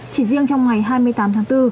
chỉ riêng trong ngày hai mươi tám tháng bốn